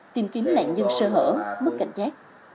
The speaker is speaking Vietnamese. tìm kiếm nạn nhân sơ hở mất cảnh giác